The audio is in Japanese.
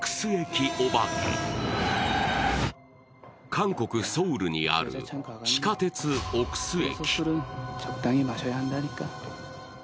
韓国・ソウルにある地下鉄、オクス駅。